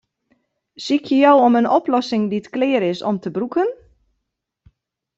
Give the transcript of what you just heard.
Sykje jo om in oplossing dy't klear is om te brûken?